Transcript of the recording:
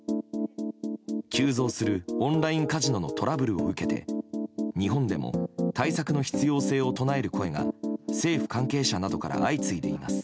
急増するオンラインカジノのトラブルを受けて日本でも対策の必要性を唱える声が政府関係者などから相次いでいます。